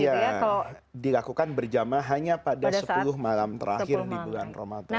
iya dilakukan berjamaah hanya pada sepuluh malam terakhir di bulan ramadan